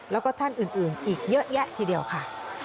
แล้วก็ท่านอื่นอีกเยอะแยะทีเดียวค่ะ